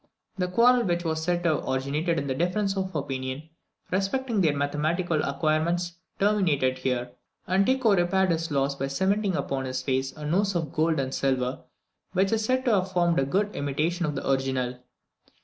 The quarrel, which is said to have originated in a difference of opinion respecting their mathematical acquirements, terminated here; and Tycho repaired his loss by cementing upon his face a nose of gold and silver, which is said to have formed a good imitation of the original.